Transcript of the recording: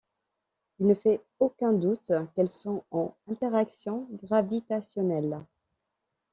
Il ne fait aucun doute qu'elles sont en interaction gravitationnelle.